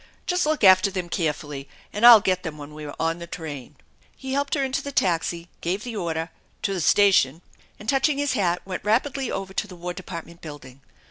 Just look after them carefully and I'll get them when we are on the train." He helped her into the taxi, gave the order, " To th* station," and touching his hat, went rapidly over to the Wai Department Building.